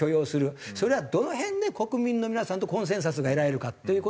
それはどの辺で国民の皆さんとコンセンサスが得られるかという事。